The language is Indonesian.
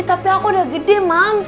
ya tapi aku udah gede mams